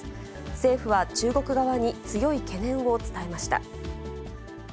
政府は中国側に強い懸念を伝えました。